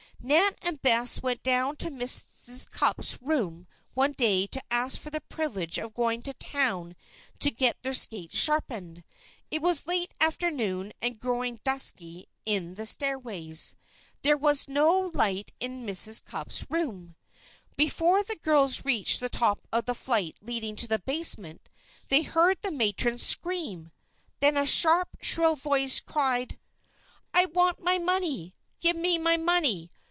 Nan and Bess went down to Mrs. Cupp's room one day to ask for the privilege of going to town to get their skates sharpened. It was late afternoon and growing dusky in the stairways. There was no light in Mrs. Cupp's room. Before the girls reached the top of the flight leading to the basement they heard the matron scream. Then a sharp, shrill voice cried: "I want my money! Give me my money!